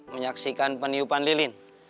menyaksikan peniupan lilin